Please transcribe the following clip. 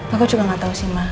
aku juga gak tau sih ma